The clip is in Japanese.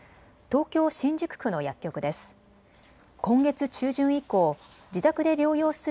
東京新宿区の薬局です。